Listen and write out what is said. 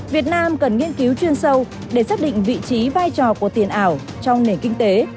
việt nam cần nghiên cứu chuyên sâu để xác định vị trí vai trò của tiền ảo trong nền kinh tế